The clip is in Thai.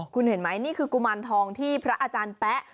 คุณเห็นไหมนี่คือกุมารทองที่พระอาจารย์แป๊ะ